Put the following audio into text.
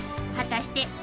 果たして］